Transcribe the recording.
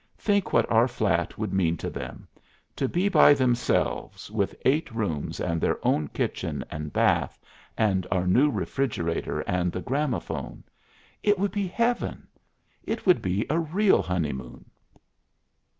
Think what our flat would mean to them; to be by themselves, with eight rooms and their own kitchen and bath, and our new refrigerator and the gramophone! It would be Heaven! It would be a real honeymoon!"